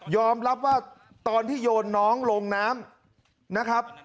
รับว่าตอนที่โยนน้องลงน้ำนะครับ